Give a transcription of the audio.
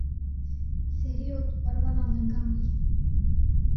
Seriyo tu qurbana lingan bî.